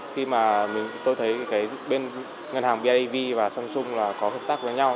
khi mà tôi thấy bên ngân hàng biav và samsung có hợp tác với nhau